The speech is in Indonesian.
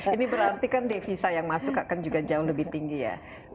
ini berarti kan devisa yang masuk akan juga jauh lebih tinggi ya